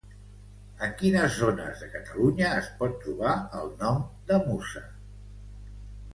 En quines zones de Catalunya es pot trobar el nom de Musa?